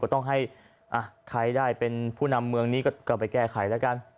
ต้องให้ใครได้เป็นผู้นำเมืองนี้ก็ไปแก้ไขแล้วกัน